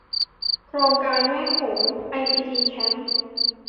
โครงการแม่โขงไอซีทีแคมป์